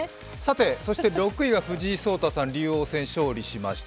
６位が藤井聡太さん、竜王戦勝利しました。